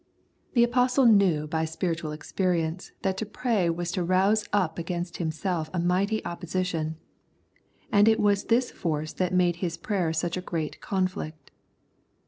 '* The Apostle knew bv spiritual experience 76 Conflict and Comfort that to pray was to rouse up against himself a mighty opposition, and it was this force that made his prayer such a " great conflict."